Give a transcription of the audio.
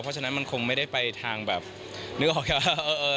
เพราะฉะนั้นมันคงไม่ได้ไปทางแบบนึกออกแค่ว่า